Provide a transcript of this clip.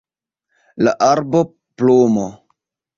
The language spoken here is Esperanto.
La arbo, plumo